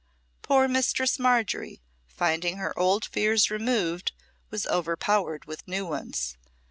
Poor Mistress Margery, finding her old fears removed, was overpowered with new ones.